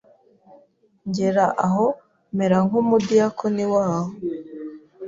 ngera aho mera nk’umu diyakoni waho